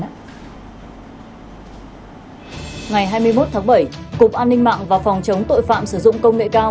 ngày hai mươi một tháng bảy cục an ninh mạng và phòng chống tội phạm sử dụng công nghệ cao